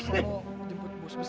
mau diputuh bos besar